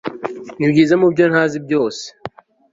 Nibyiza mubyo ntazi byose